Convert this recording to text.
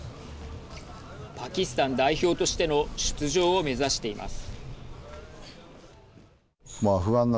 パキスタン代表としての出場を目指しています。